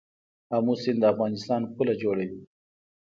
امو سیند د افغانستان پوله جوړوي.